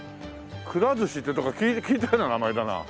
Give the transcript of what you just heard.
「くらずし」ってどっかで聞いたような名前だな。